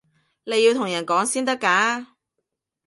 你要同人講先得㗎